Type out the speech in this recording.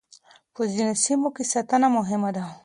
په ځينو سيمو کې ساتنه مهمه ده.